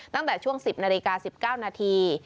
ตั้งแต่ช่วง๑๐นาฬิกา๑๙นาที